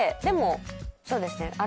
でもそうですね。